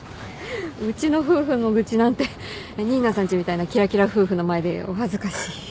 うちの夫婦の愚痴なんて新名さんちみたいなキラキラ夫婦の前でお恥ずかしい。